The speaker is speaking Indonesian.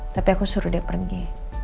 tapi aku suruh dia pergi